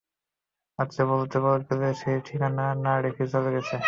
আচ্ছা, বলতে গেলে সে কোনো ঠিকানা না রেখেই চলে গেছে।